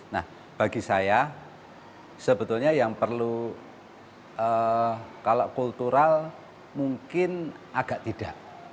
nah bagi saya sebetulnya yang perlu kalau kultural mungkin agak tidak